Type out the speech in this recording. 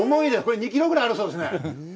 ２キロぐらいあるそうですね。